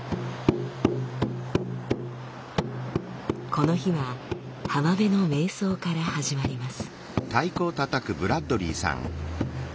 この日は浜辺の瞑想から始まります。